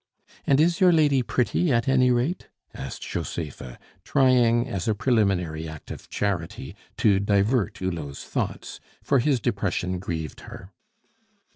"And is your lady pretty at any rate?" asked Josepha, trying as a preliminary act of charity, to divert Hulot's thoughts, for his depression grieved her.